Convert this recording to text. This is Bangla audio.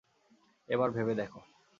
এবার, ভেবে দেখো।